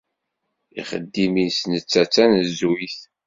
Ixeddim-is netta d tanezzuyt.